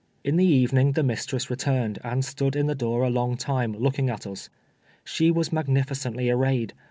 In the evening the mistress returned, and stood in the door a long time, looking at us. She was magnifi cently arrayed.